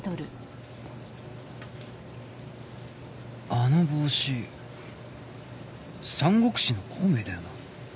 あの帽子『三国志』の孔明だよな